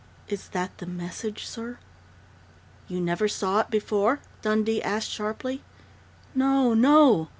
"Is that the message, sir?" "You never saw it before?" Dundee asked sharply. "No, no!